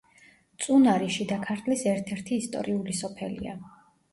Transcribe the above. წუნარი შიდა ქართლის ერთ-ერთი ისტორიული სოფელია.